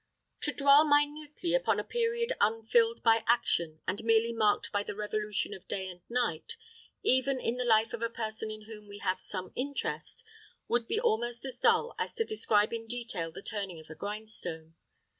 To dwell minutely upon a period unfilled by action, and merely marked by the revolution of day and night, even in the life of a person in whom we have some interest, would be almost as dull as to describe in detail the turning of a grindstone.